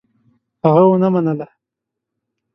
هغه ونه منله.